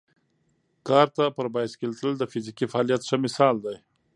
کارته پر بایسکل تلل د فزیکي فعالیت ښه مثال دی.